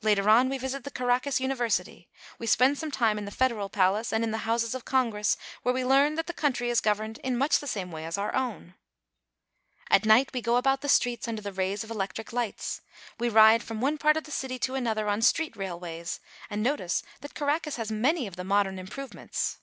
Later on we visit the Caracas Univer sity. We spend some time in the Federal Palace, and also in the Houses of Congress, where we learn that the coun try is governed in much the same way as our own. At night we go about the streets under the rays of electric lights. We ride from one part of the city to an Statue of Bolivar. CARACAS. 341 Other on street railways, and notice that Caracas has many of the modern improvements.